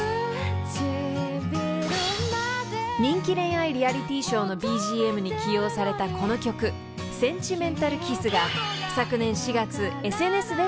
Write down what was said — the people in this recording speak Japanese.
［人気恋愛リアリティーショーのＢＧＭに起用されたこの曲『センチメンタル・キス』が昨年４月ＳＮＳでシェア］